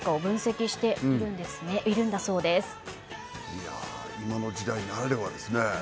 いや今の時代ならではですね。